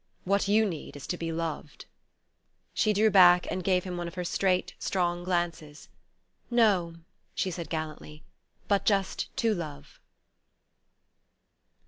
What you need is to be loved." She drew back and gave him one of her straight strong glances: "No," she said gallantly, "but just to love."